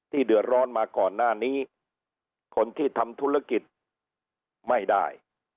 เดือดร้อนมาก่อนหน้านี้คนที่ทำธุรกิจไม่ได้